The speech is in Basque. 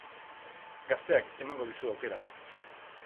Gazteak emango dizu aukera.